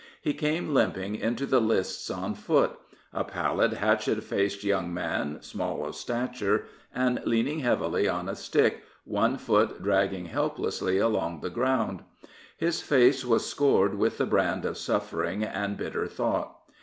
He came limping into the lists on foot — a pallid, hatchet faced young man, small of stature, and leaning heavily on a stick, one foot dragging helplessly along the ground. His face was scored with the brand of suffering and bitter thought.